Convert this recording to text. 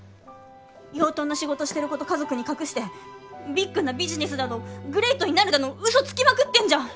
養豚の仕事してること家族に隠してビッグなビジネスだのグレイトになるだのウソつきまくってんじゃん！